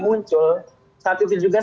muncul saat itu juga